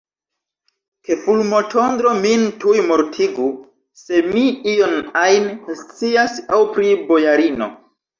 Ke fulmotondro min tuj mortigu, se mi ion ajn scias aŭ pri bojarino!